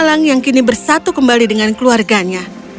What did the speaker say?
lelaki manis yang kini bersatu kembali dengan keluarganya